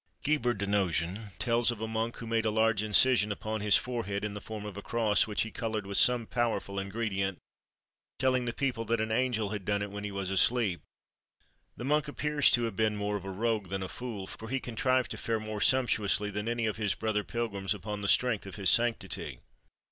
Guibert de Nogent tells of a monk who made a large incision upon his forehead in the form of a cross, which he coloured with some powerful ingredient, telling the people that an angel had done it when he was asleep. This monk appears to have been more of a rogue than a fool, for he contrived to fare more sumptuously than any of his brother pilgrims, upon the strength of his sanctity.